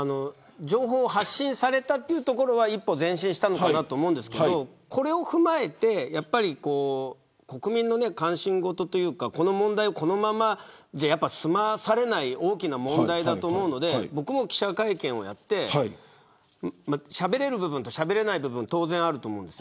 情報を発信されたところは一歩前進だと思いますがこれを踏まえて国民の関心事というかこの問題を、このままでは済まされない大きな問題だと思うので僕も記者会見をやってしゃべれる部分としゃべれない部分が当然あると思うんです。